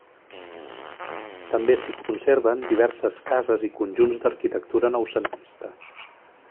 També s'hi conserven diverses cases i conjunts d'arquitectura noucentista.